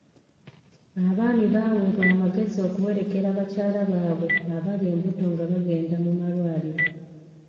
Abaami baaweebwa amagezi okuwerekera bakyala baabwe abali embuto nga bagenda mu malwaliro.